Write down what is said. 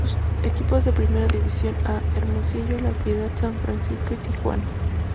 Equipos de Primera División 'A': Hermosillo, La Piedad, San Francisco y Tijuana.